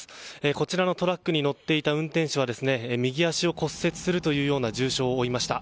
こちらのトラックに乗っていた運転手は右足を骨折する重傷を負いました。